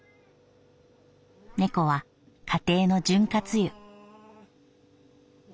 猫は家庭の潤滑油」。